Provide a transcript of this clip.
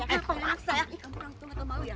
eh pengaksa ya